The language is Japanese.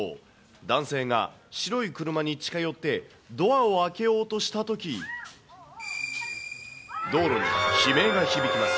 男性が白い車に近寄って、ドアを開けようとしたとき、道路に悲鳴が響きます。